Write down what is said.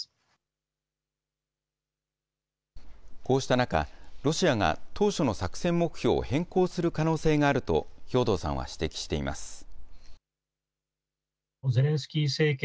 こうした中、ロシアが当初の作戦目標を変更する可能性があると、兵頭さんは指摘しています。